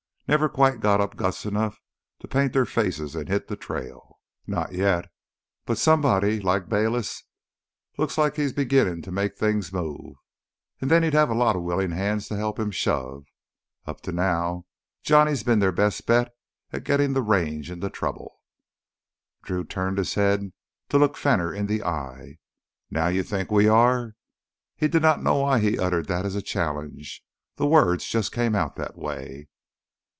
Never quite got up guts 'nough to paint their faces an' hit th' trail, not yet. But did somebody like Bayliss look like he was beginnin' to make things move, then he'd have a lotta willin' hands to help him shove. Up to now Johnny's been their best bet at gittin' th' Range into trouble." Drew turned his head to look Fenner in the eye. "Now you think we are!" He did not know why he uttered that as a challenge; the words just came out that way.